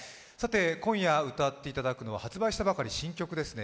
今夜歌っていただくのは発売したばかり新曲ですね